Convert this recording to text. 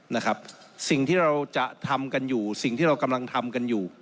นะครับสิ่งที่เราจะทำกันอยู่สิ่งที่เรากำลังทำกันอยู่